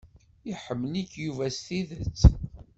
Iḥemmel-ik Yuba s tidet.